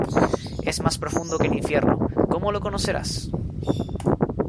Es más profundo que el infierno: ¿cómo lo conocerás?